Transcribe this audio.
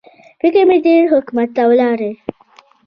فکر مې تېر حکومت ته ولاړی.